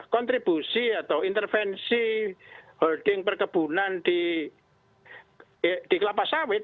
kontribusi atau intervensi holding perkebunan di kelapa sawit